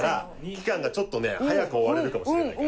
期間がちょっとね早く終われるかもしれないから。